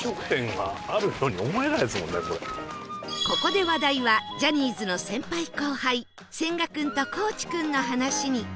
ここで話題はジャニーズの先輩後輩千賀君と地君の話に